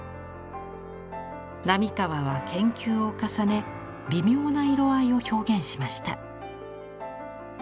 並河は研究を重ね微妙な色合いを表現しました。